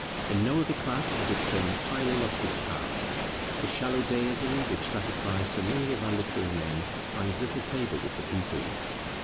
In no other class has it so entirely lost its power. The shallow deism, which satisfies so many of our literary men, finds little favour with the people.